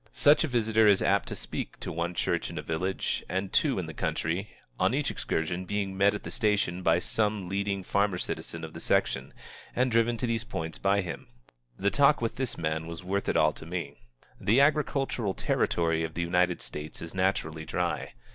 Such a visitor is apt to speak to one church in a village, and two in the country, on each excursion, being met at the station by some leading farmer citizen of the section, and driven to these points by him. The talk with this man was worth it all to me. The agricultural territory of the United States is naturally dry.